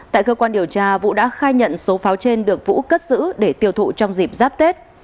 tại cơ quan điều tra vũ đã khai nhận số pháo trên được vũ cất giữ để tiêu thụ trong dịp giáp tết